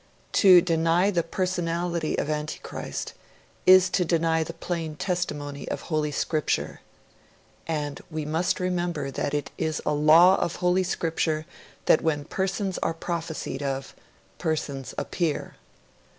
'To deny the personality of Antichrist is to deny the plain testimony of Holy Scripture.' And we must remember that 'it is a law of Holy Scripture that when persons are prophesied of, persons appear'.